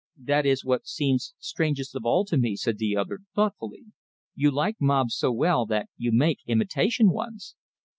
"That is what seems strangest of all to me," said the other, thoughtfully. "You like mobs so well that you make imitation ones!"